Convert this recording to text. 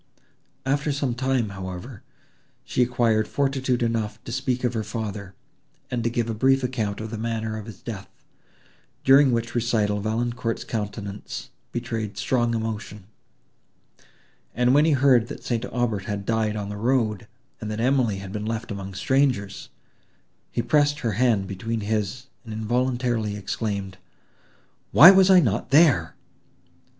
After some time, however, she acquired fortitude enough to speak of her father, and to give a brief account of the manner of his death; during which recital Valancourt's countenance betrayed strong emotion, and, when he heard that St. Aubert had died on the road, and that Emily had been left among strangers, he pressed her hand between his, and involuntarily exclaimed, "Why was I not there!"